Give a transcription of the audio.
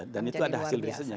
dan itu ada hasil bisnisnya